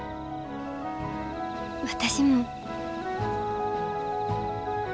私も。